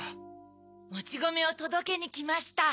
もちごめをとどけにきました。